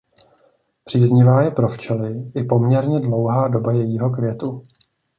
Příznivá je pro včely i poměrně dlouhá doba jejího květu.